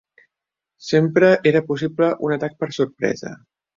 Sempre era possible un atac per sorpresa